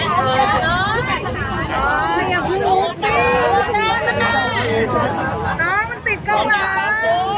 ขออภัยถ้าไม่ผิดแล้วถ้าไม่ผิดก็ไม่ว่าจันทร์